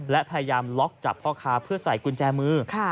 และพยายามล็อกจับพ่อค้าเพื่อใส่กุญแจมือ